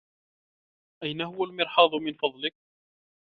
أين هو المرحاض، من فضلك؟